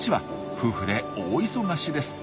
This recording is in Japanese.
夫婦で大忙しです。